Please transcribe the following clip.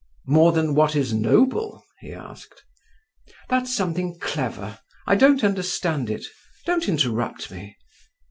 "More than what is noble?" he asked. "That's something clever, I don't understand it. Don't interrupt me.